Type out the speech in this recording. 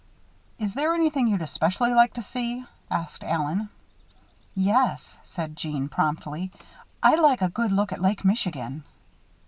"Is there anything you'd especially like to see?" asked Allen. "Yes," said Jeanne, promptly. "I'd like a good look at Lake Michigan."